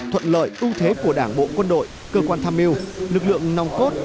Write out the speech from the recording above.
thuận lợi ưu thế của đảng bộ quân đội cơ quan tham mưu lực lượng nòng cốt